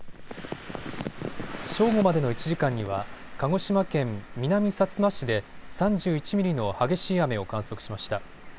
正午までの１時間には鹿児島県南さつま市で３１ミリの激しい雨を観測しました。